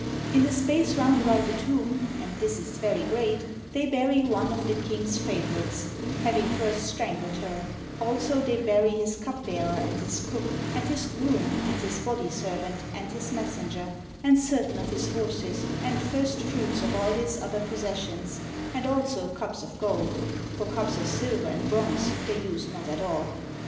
In the space round about the tomb (and this is very great), they bury one of the king's favor ites, having first strangled her : also they bury his cup bearer, and his cook, and his groom, and his body serv ant, and his messenger, and certain of his horses, and first fruits of all his other possessions, and also cups of gold — for cups of silver and bronze they use not at all.